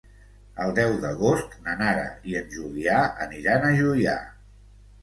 El deu d'agost na Nara i en Julià aniran a Juià.